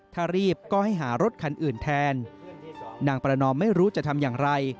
ถ้ารีบก็ให้หารถคันอื่นแทนนางประนอมไม่รู้จะทำอย่างไร